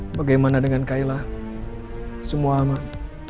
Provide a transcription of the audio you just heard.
bagaimana dengan kaila semua aman